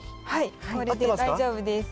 それで大丈夫です。